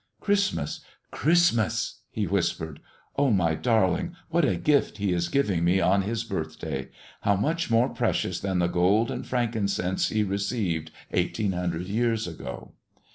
"Christmas, Christmas," he whispered. "Oh, my darling, what a gift He is giving me on his birthday how much more precious than the gold and frankincense He received eighteen hundred years ago!"